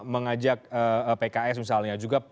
mengajak pks misalnya juga